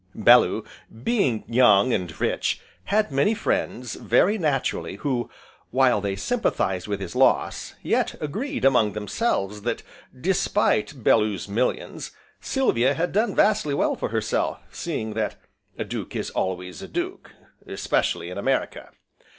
Bellew, being young and rich, had many friends, very naturally, who, while they sympathized with his loss, yet agreed among themselves, that, despite Bellew's millions, Sylvia had done vastly well for herself, seeing that a duke is always a duke, especially in America.